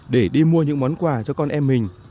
để đi mua những món quà cho con em mình